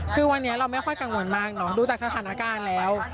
คือวันนี้เราไม่ค่อยกังวลมากเนอะดูจากสถานการณ์แล้ว